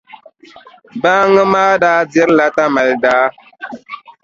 Baaŋa ma daa dirila Tamali daa.